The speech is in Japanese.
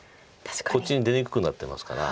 こっちに出にくくなってますから。